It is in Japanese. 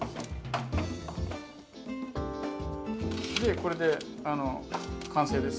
これで完成です。